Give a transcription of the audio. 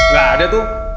gak ada tuh